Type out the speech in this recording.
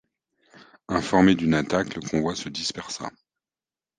Informé d'une attaque, le convoi se dispersa.